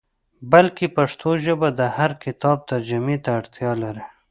بلکې پښتو ژبه د هر کتاب ترجمې ته اړتیا لري.